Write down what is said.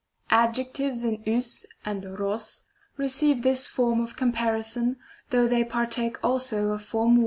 Adjectives in vg and qog receive this form of comparison, though they partake also of Form 1.